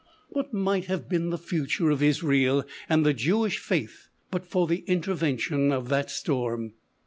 What might have been the future of Israel and the Jewish faith, but for the intervention of that storm?